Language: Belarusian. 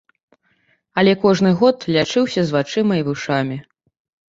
Але кожны год лячыўся з вачыма і вушамі.